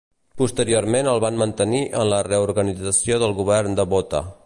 Posteriorment el van mantenir en la reorganització del Govern de Botha.